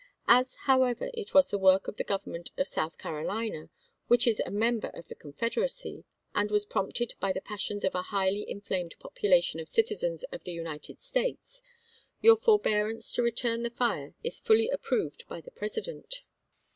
As, however, it was the work of the government of South Caro lina, which is a member of this Confederacy, and was prompted by the passions of a highly inflamed Holt t0 population of citizens of the United States, your jiSf^isei. forbearance to return the fire is fully approved ^i.'.^iTo01, by the President."